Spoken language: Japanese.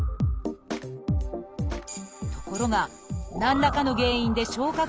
ところが何らかの原因で消化